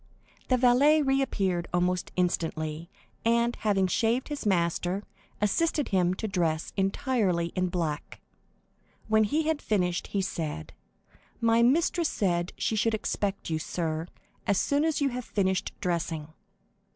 The valet re appeared almost instantly, and, having shaved his master, assisted him to dress entirely in black. When he had finished, he said: "My mistress said she should expect you, sir, as soon as you had finished dressing."